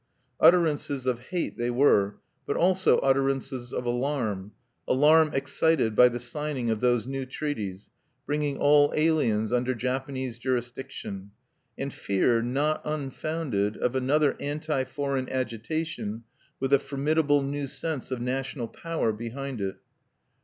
Utterances of hate they were, but also utterances of alarm, alarm excited by the signing of those new treaties, bringing all aliens under Japanese jurisdiction, and fear, not unfounded, of another anti foreign agitation with the formidable new sense of national power behind it.